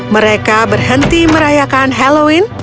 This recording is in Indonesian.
mereka berhenti merayakan halloween